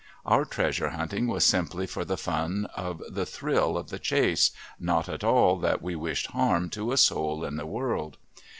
Our treasure hunting was simply for the fun of the thrill of the chase, not at all that we wished harm to a soul in the world.